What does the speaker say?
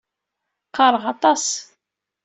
Qqaṛeɣ aṭas.